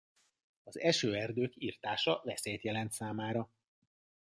Az esőerdők irtása veszélyt jelent számára.